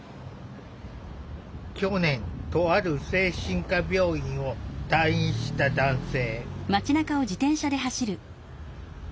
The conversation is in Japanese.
去年とある精神科病院を退院した男性。